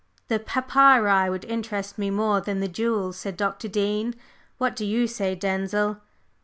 "The papyri would interest me more than the jewels," said Dr. Dean. "What do you say, Denzil?"